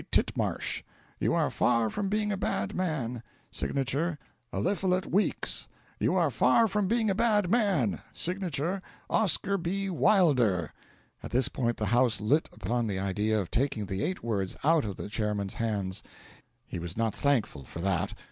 Titmarsh.'" '"You are far from being a bad man ' Signature, 'Eliphalet Weeks.'" "'You are far from being a bad man ' Signature, 'Oscar B. Wilder.'" At this point the house lit upon the idea of taking the eight words out of the Chairman's hands. He was not unthankful for that.